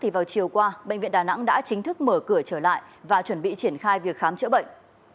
vào chiều qua bệnh viện đà nẵng đã chính thức mở cửa trở lại và chuẩn bị triển khai việc khám chữa bệnh